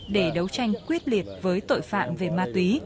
để đấu tranh quyết liệt với tội phạm về ma túy